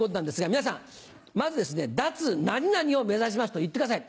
皆さんまず「脱何々を目指します」と言ってください。